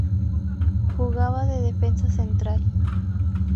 Jugaba de defensa central.